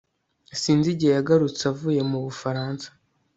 sinzi igihe yagarutse avuye mu bufaransa